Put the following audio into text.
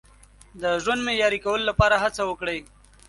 د ژوند معیاري کولو لپاره هڅه وکړئ.